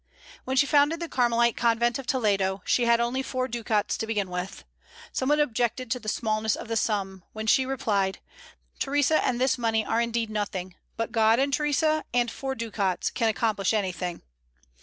When she founded the Carmelite Convent of Toledo she had only four ducats to begin with. Some one objected to the smallness of the sum, when she replied, "Theresa and this money are indeed nothing; but God and Theresa and four ducats can accomplish anything."